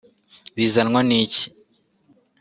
Bizanwa n’iki